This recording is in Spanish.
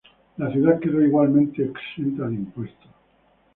La ciudad quedó igualmente exenta de impuestos.